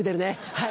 はい。